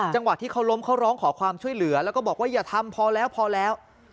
ที่เขาล้มเขาร้องขอความช่วยเหลือแล้วก็บอกว่าอย่าทำพอแล้วพอแล้ว